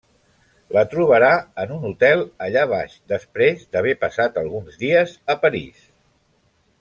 La trobarà en un hotel allà baix després d'haver passat alguns dies a París.